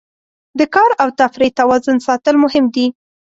د کار او تفریح توازن ساتل مهم دي.